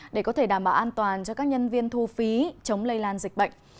để có thể đảm bảo an toàn cho các nhân viên thu phí chống lây lan dịch bệnh